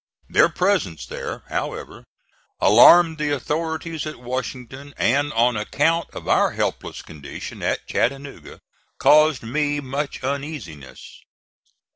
Their presence there, however, alarmed the authorities at Washington, and, on account of our helpless condition at Chattanooga, caused me much uneasiness.